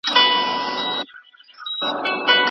شاه عباس د قراچه خان په نوم یو زړه ور جنرال درلود.